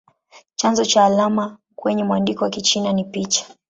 Chanzo cha alama kwenye mwandiko wa Kichina ni picha.